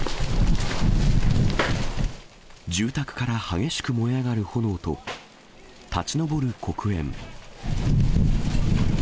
住宅から激しく燃え上がる炎と、立ち上る黒煙。